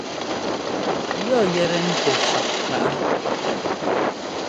Yɔ yɛ́tɛ́ ntɛ fáʼ pá?